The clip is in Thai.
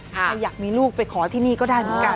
ใครอยากมีลูกไปขอที่นี่ก็ได้เหมือนกัน